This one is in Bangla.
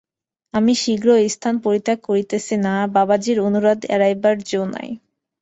আমি শীঘ্র এ স্থান পরিত্যাগ করিতেছি না, বাবাজীর অনুরোধ এড়াইবার যো নাই।